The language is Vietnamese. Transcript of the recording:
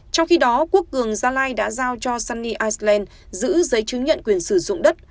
trong khi đó quốc cường gia lai đã giao cho sunny iceland giữ giấy chứng nhận quyền sử dụng đất